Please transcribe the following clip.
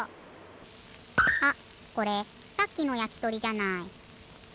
あっこれさっきのやきとりじゃない。